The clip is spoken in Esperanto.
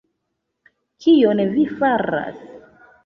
kion vi faras!